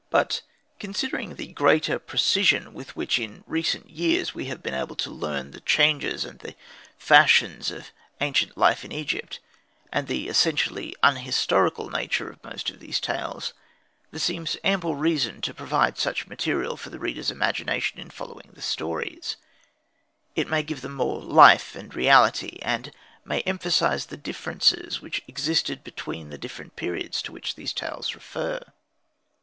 But, considering the greater precision with which in recent years we have been able to learn the changes and the fashions of ancient life in Egypt, and the essentially unhistorical nature of most of these tales, there seems ample reason to provide such material for the reader's imagination in following the stories; it may give them more life and reality, and may emphasise the differences which existed between the different periods to which these tales refer.